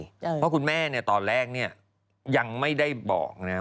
เพราะคุณแม่ตอนแรกเนี่ยยังไม่ได้บอกนะ